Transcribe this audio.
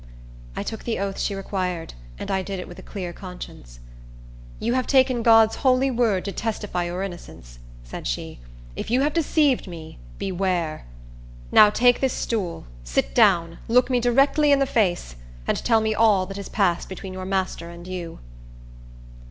I took the oath she required, and I did it with a clear conscience. "You have taken God's holy word to testify your innocence," said she. "If you have deceived me, beware! Now take this stool, sit down, look me directly in the face, and tell me all that has passed between your master and you."